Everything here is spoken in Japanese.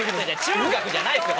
中学じゃないですよ！